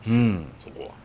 そこは。